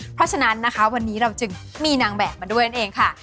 เพราะฉะนั้นนะคะวันนี้เราจึงมีนางแบบมาด้วยนั่นเองค่ะ